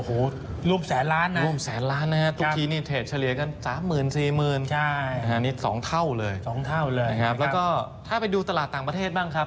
โอ้โหรวมแสนล้านนะรวมแสนล้านนะครับทุกทีเนี่ยเทรดเฉลี่ยกัน๓๐๐๐๐๔๐๐๐๐นี่๒เท่าเลยแล้วก็ถ้าไปดูตลาดต่างประเทศบ้างครับ